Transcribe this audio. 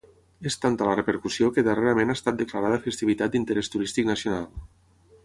És tanta la repercussió que darrerament ha estat declarada festivitat d'interès turístic nacional.